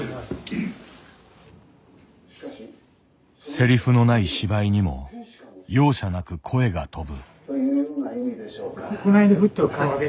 せりふのない芝居にも容赦なく声がとぶ。